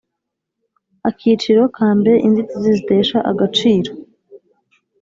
Akiciro kambere Inzitizi zitesha agaciro